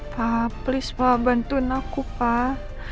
pak please pak bantuin aku pak